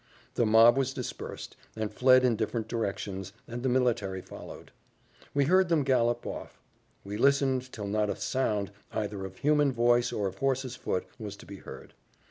The mob was dispersed, and fled in different directions, and the military followed. We heard them gallop off. We listened till not a sound, either of human voice or of horse's foot, was to be heard.